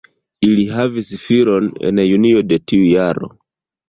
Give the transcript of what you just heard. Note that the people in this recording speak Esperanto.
Ili havis filon en junio de tiu jaro.